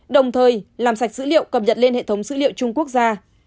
đồng thời làm sạch dữ liệu cập nhật lên hệ thống dữ liệu trung quốc ra